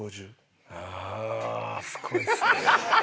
あすごいですね。